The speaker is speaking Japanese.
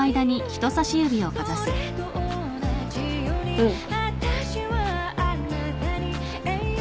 うん。